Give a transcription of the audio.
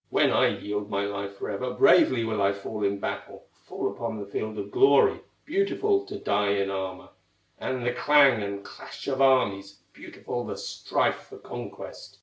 When I yield my life forever, Bravely will I fall in battle, Fall upon the field of glory, Beautiful to die in armor, And the clang and clash of armies, Beautiful the strife for conquest!